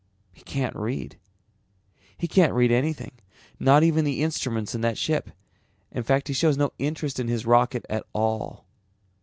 He can't read. He can't read anything, not even the instruments in that ship. In fact he shows no interest in his rocket at all."